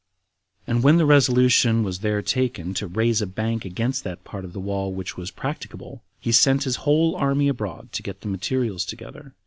And when the resolution was there taken to raise a bank against that part of the wall which was practicable, he sent his whole army abroad to get the materials together.